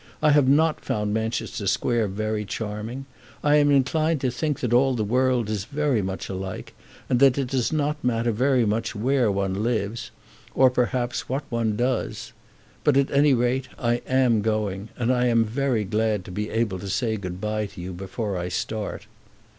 I have not found Manchester Square very charming. I am inclined to think that all the world is very much alike, and that it does not matter very much where one lives, or, perhaps, what one does. But at any rate I am going, and I am very glad to be able to say good bye to you before I start."